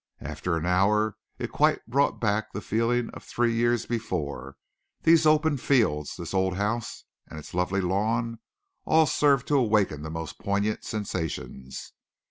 After an hour it quite brought back the feeling of three years before. These open fields, this old house and its lovely lawn, all served to awaken the most poignant sensations.